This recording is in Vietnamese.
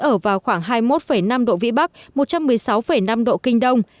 ở vào khoảng hai mươi một năm độ vĩ bắc một trăm một mươi sáu năm độ kinh đông